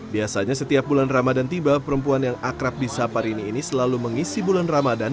biasanya setiap bulan ramadan tiba perempuan yang akrab di saparini ini selalu mengisi bulan ramadan